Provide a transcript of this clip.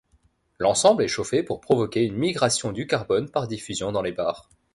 L'ensemble est chauffé pour provoquer une migration du carbone par diffusion dans les barres.